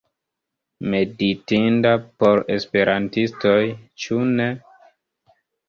Meditinda por esperantistoj, ĉu ne?